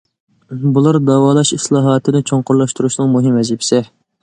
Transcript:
بۇلار داۋالاش ئىسلاھاتىنى چوڭقۇرلاشتۇرۇشنىڭ مۇھىم ۋەزىپىسى.